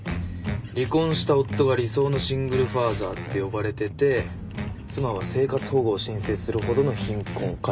離婚した夫が理想のシングルファーザーって呼ばれてて妻は生活保護を申請するほどの貧困家庭。